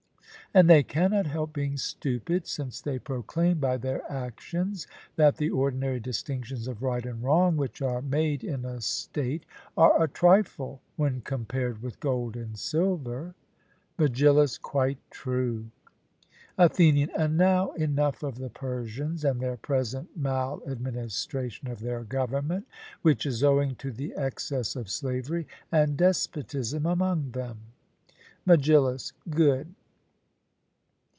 And they cannot help being stupid, since they proclaim by their actions that the ordinary distinctions of right and wrong which are made in a state are a trifle, when compared with gold and silver. MEGILLUS: Quite true. ATHENIAN: And now enough of the Persians, and their present mal administration of their government, which is owing to the excess of slavery and despotism among them. MEGILLUS: Good.